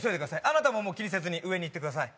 あなたももう気にせずに上に行ってください